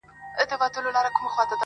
سپینه ږیره سپین غاښونه مسېدلی-